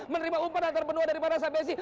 menerima umpan antar penua dari amarasa besi